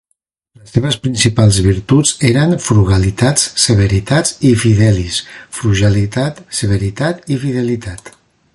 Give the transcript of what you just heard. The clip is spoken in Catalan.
Les seves principals virtuts eren "frugalitas, severitas" i "fidelis", frugalitat, severitat i fidelitat.